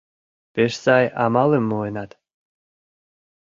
Пеш сай амалым муынат».